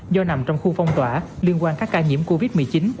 do nằm trong khu phong tỏa liên quan các ca nhiễm covid một mươi chín